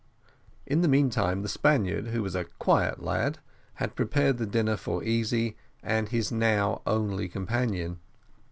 In the meantime the Spaniard, who was a quiet lad, had prepared the dinner for Easy and his now only companion.